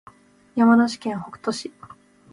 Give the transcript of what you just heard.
山梨県北杜市